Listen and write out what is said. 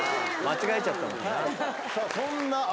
間違えちゃったのかな？